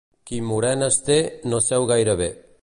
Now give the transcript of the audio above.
Qui morenes té no seu gaire bé.